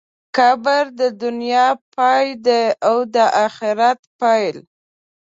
قبر د دنیا پای دی او د آخرت پیل.